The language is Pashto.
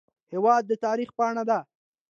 هېواد د تاریخ پاڼه ده.